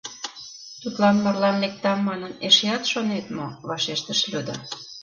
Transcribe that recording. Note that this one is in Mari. — Тудлан марлан лектам манын, эшеат шонет мо? — вашештыш Люда.